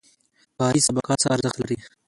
کاري سابقه څه ارزښت لري؟